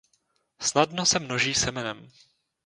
Snadno se množí semenem.